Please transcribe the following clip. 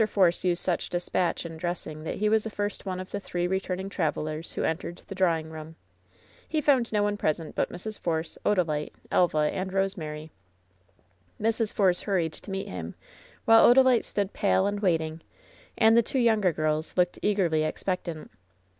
Force used such dispatch in dressing that he was the first one of the three returning travelers who entered the drawing room. He found no one present but Mrs. Force, Odalite, Elva and Rosemary. Mrs. Force hurried to meet him, while Odalite stood pale and waiting, and the two younger girls looked eagerly expectant.